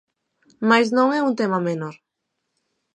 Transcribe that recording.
Mais non é un tema menor.